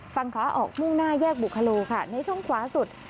ฝั่งขวาออกมุ่งหน้าแยกบุคโลค่ะในช่องขวาสุด